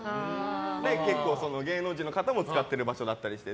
結構、芸能人の方が使ってるところだったりして。